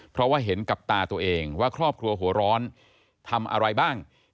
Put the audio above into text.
เพราะว่าเห็นกับตาตัวเองว่าครอบครัวหัวร้อนทำอะไรบ้าง